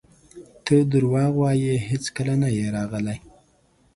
ته درواغ وایې هیڅکله نه یې راغلی!